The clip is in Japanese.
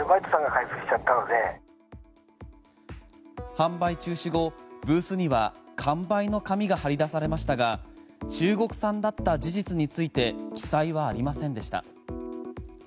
販売中止後、ブースには完売の紙が張り出されましたが中国産だった事実について記載はありませんでした。